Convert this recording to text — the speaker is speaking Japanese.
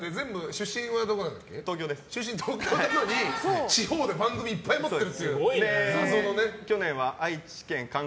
出身は東京なのに地方で番組いっぱい持ってるんですよ。